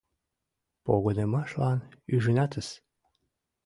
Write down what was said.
— Погынымашлан ӱжынатыс.